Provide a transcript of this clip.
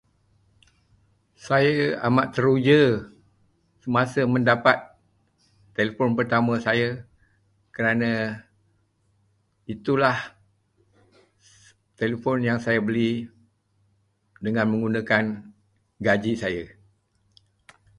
Saya sangat teruja semasa mendapat telefon pertama saya kerana itulah telefon yang saya beli dengan menggunakan gaji saya.